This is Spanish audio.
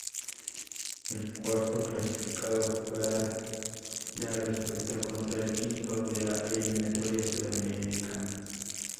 El cuarto clasificado jugará la repesca contra el quinto de la eliminatoria sudamericana.